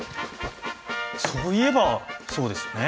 そういえばそうですよね。